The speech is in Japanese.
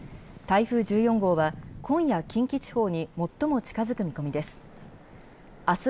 台風１４号は、今夜、近畿地方に最も近づく見込みです。